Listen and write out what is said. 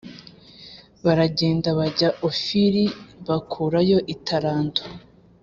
Baragenda bajya ofiri bakurayo italanto